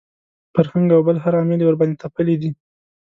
فرهنګ او بل هر عامل یې ورباندې تپلي دي.